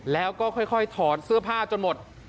แล้วก็ค่อยถอดเสื้อผ้าจนหมด